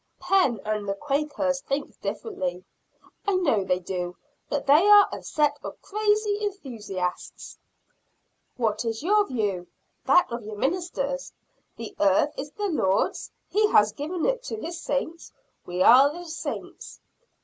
"Penn and the Quakers think differently." "I know they do but they are a set of crazy enthusiasts." "What is your view? That of your ministers? The earth is the Lord's. He has given it to His saints. We are the saints."